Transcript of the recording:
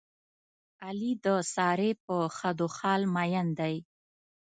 علي د سارې په خدو خال مین دی.